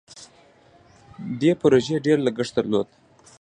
دې پروژې ډیر لګښت درلود.